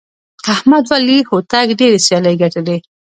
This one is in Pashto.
احمد ولي هوتک ډېرې سیالۍ ګټلي.